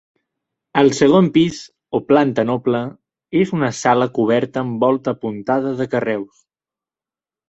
El segon pis, o planta noble, és una sala coberta amb volta apuntada de carreus.